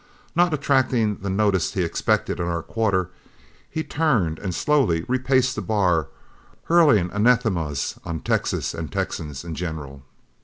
Not attracting the notice he expected in our quarter, he turned, and slowly repaced the bar, hurling anathemas on Texas and Texans in general.